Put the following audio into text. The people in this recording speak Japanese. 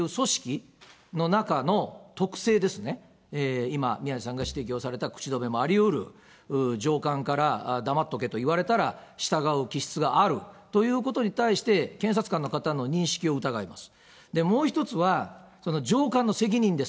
ということは、検察官が、やはりきちっと自衛隊という組織の中の特性ですね、今、宮根さんが指摘をされた口止めもありうる上官から黙っとけと言われたら、従う気質があるということに対して、けんさつ官の方の認識を疑います。